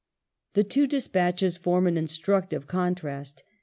The two despatches form an instructive con trast.